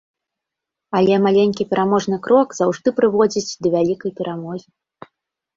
Але маленькі пераможны крок заўжды прыводзіць да вялікай перамогі.